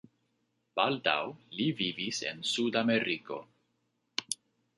Baldaŭ li vivis en Sud-Ameriko.